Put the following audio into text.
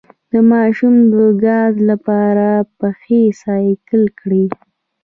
د ماشوم د ګاز لپاره پښې سایکل کړئ